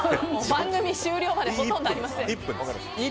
番組終了までほとんどありません。